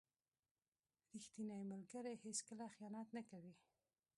• ریښتینی ملګری هیڅکله خیانت نه کوي.